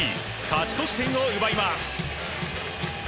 勝ち越し点を奪います。